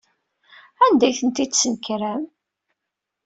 Anda ay ten-id-tesnekrem?